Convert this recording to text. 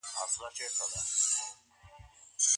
قلمي خط د موټر مهارتونو د پراختیا نښه ده.